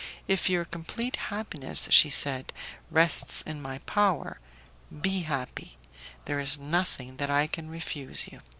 "If your complete happiness," she said, "rests in my power, be happy; there is nothing that I can refuse you."